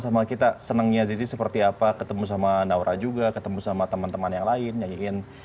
sama kita senangnya zizi seperti apa ketemu sama naura juga ketemu sama teman teman yang lain nyanyiin